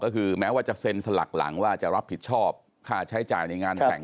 คือไปกันไม่ได้เราก็จบไปแค่นั้นเอง